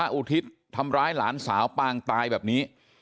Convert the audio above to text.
อุทิศทำร้ายหลานสาวปางตายแบบนี้